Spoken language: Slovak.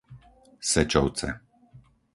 Sečovce